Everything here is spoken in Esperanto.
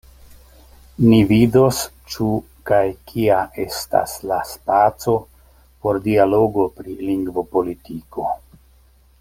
Ni vidos ĉu kaj kia estas la spaco por dialogo pri lingvopolitiko.